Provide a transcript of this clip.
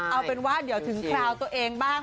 เอาเป็นว่าเดี๋ยวถึงคราวตัวเองบ้าง